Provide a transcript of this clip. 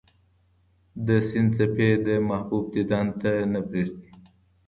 د سیند څپې د محبوب دیدن ته نه پرېږدي.